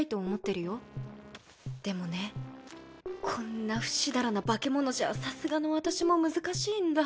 でもねこんなふしだらな化け物じゃさすがの私も難しいんだ。